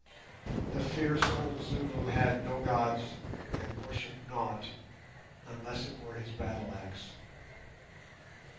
The fierce old Zulu had no gods and worshipped nought, unless it were his battleaxe.